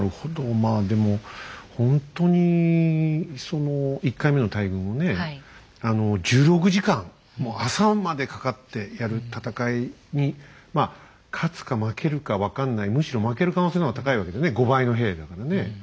まあでもほんとにその１回目の大軍をねあの１６時間もう朝までかかってやる戦いにまあ勝つか負けるか分かんないむしろ負ける可能性の方が高いわけだね５倍の兵だからね。